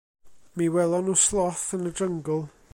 Mi welon nhw sloth yn y jyngl.